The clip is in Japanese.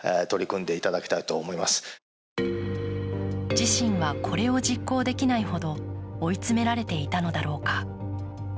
自身はこれを実行できないほど追い詰められていたのだろうか。